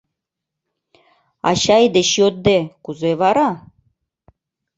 Ачай деч йодде, кузе вара?